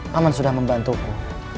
paman sudah membantuku